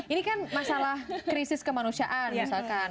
ini kan masalah krisis kemanusiaan misalkan